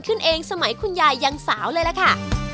ขึ้นเองสมัยคุณยายยังสาวเลยล่ะค่ะ